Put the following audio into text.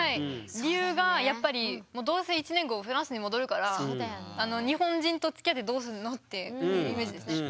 理由がやっぱりもうどうせ１年後フランスに戻るから日本人とつきあってどうするの？っていうイメージですね。